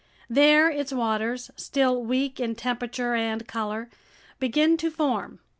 There its waters, still weak in temperature and color, begin to form.